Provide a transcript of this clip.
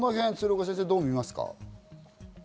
鶴岡先生、どう見ますか？